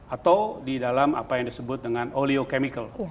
atau di dalam apa yang disebut dengan oleochemical